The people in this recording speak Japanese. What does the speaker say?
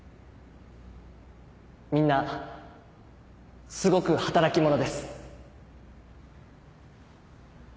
みんなすごく働き者です。